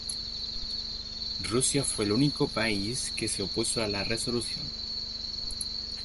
Rusia fue el único país que se opuso a la resolución.